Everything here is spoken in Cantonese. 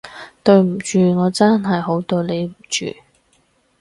對唔住，我真係好對你唔住